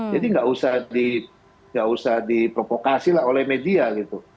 jadi nggak usah diprovokasi oleh media gitu